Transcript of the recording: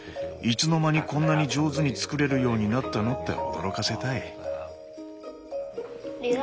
「いつの間にこんなに上手に作れるようになったの？」って驚かせたい。